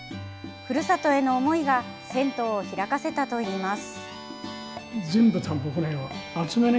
ふるさとへの思いが銭湯を開かせたといいます。